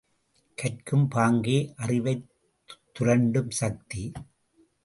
கற்கும் பாங்கே அறிவைத் துரண்டும் சக்தி!